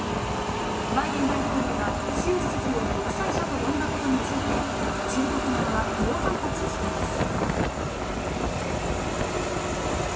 バイデン大統領が習主席を独裁者と呼んだことについて、中国側は猛反発しています。